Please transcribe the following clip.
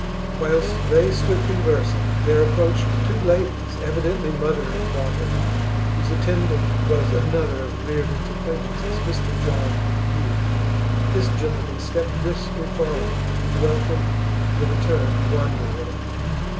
Whilst they stood conversing, there approached two ladies, evidently mother and daughter, whose attendant was another of Reardon's acquaintances, Mr John Yule. This gentleman stepped briskly forward and welcomed the returned wanderer.